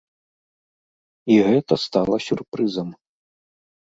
І гэта стала сюрпрызам.